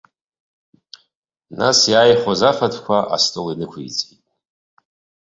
Нас иааихәаз афатәқәа астол инықәиҵан.